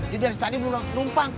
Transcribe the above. dia dari tadi belum numpang